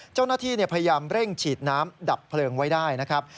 เจ้าหน้าที่พยายามเร่งฉีดน้ำดับเพลิงไว้ได้นะครับ